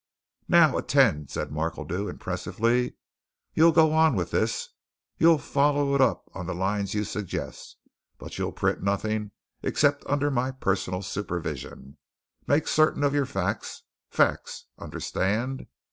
"Now, attend!" said Markledew, impressively. "You'll go on with this. You'll follow it up on the lines you suggest. But you'll print nothing except under my personal supervision. Make certain of your facts. Facts! understand!